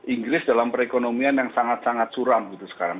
inggris dalam perekonomian yang sangat sangat suram gitu sekarang